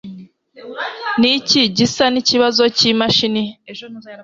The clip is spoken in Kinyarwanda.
Niki gisa nikibazo cyimashini?